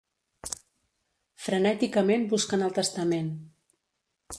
Frenèticament busquen el testament.